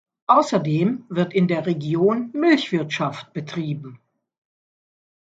Außerdem wird in der Region Milchwirtschaft betrieben.